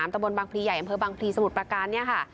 ตะบนบางพลีใหญ่อำเภอบางพลีสมุทรประการเนี่ยค่ะ